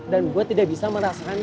dan gue tidak bisa merasakan